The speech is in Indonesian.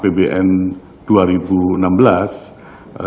terkait dengan rapbn dua ribu enam belas